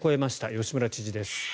吉村知事です。